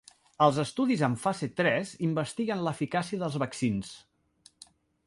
Els estudis en fase tres investiguen l’eficàcia dels vaccins.